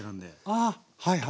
ああはいはい。